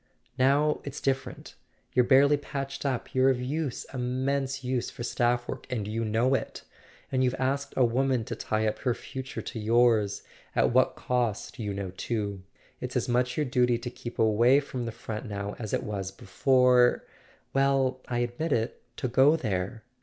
Now it's differ¬ ent. You're barely patched up: you're of use, immense use, for staff work, and you know it. And you've asked a woman to tie up her future to yours—at what cost you know too. It's as much your duty to keep away from the front now as it was before—well, I admit it—to go there.